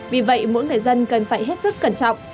vì vậy mỗi người dân cần phải hết sức cẩn trọng